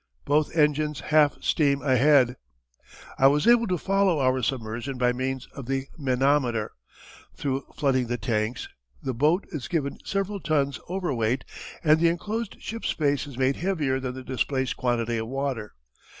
"Both engines half steam ahead!" I was able to follow our submersion by means of the manometer. Through flooding the tanks, the boat is given several tons over weight and the enclosed ship's space is made heavier than the displaced quantity of water.